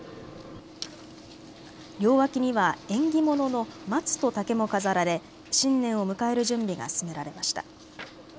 両脇には縁起物の松と竹も飾られ新年を迎える準備が進められました。